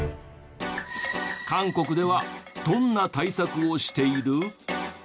韓国ではどんな対策をしている？